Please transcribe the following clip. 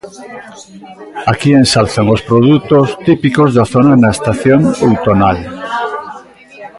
Aquí enxalzan os produtos típicos da zona na estación outonal.